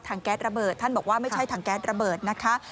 แก๊สระเบิดท่านบอกว่าไม่ใช่ถังแก๊สระเบิดนะคะ